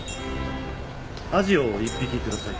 アジを１匹ください。